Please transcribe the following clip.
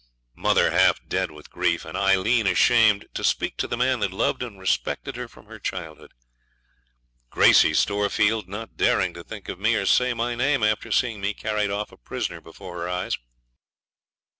Mother half dead with grief, and Aileen ashamed to speak to the man that loved and respected her from her childhood. Gracey Storefield not daring to think of me or say my name, after seeing me carried off a prisoner before her eyes.